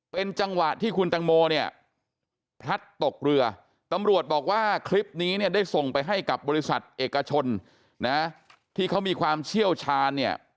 เป็นจังหวะที่คุณตังโมเนี่ยพลัดตกเรือตำรวจบอกว่าคลิปนี้เนี่ยได้ส่งไปให้กับบริษัทเอกชนนะที่เขามีความเชี่ยวชาญเนี่ย